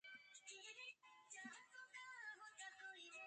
The excellent performance of the Atlas-Agena booster had also raised morale.